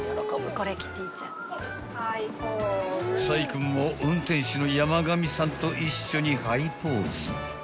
［宰君も運転手の山上さんと一緒にはいポーズ］